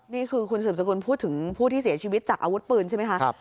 นี่คือคุณสืบสกุลพูดถึงผู้ที่เสียชีวิตจากอาวุธปืนใช่ไหมคะ